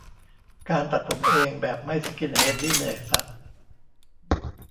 การตัดผมเองแบบไม่สกินเฮดนี่เหนื่อยสัส